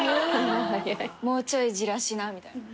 もうちょいじらしな？みたいな。